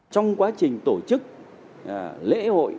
trong quá trình tổ chức lễ hội